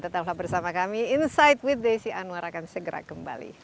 tetaplah bersama kami insight with desi anwar akan segera kembali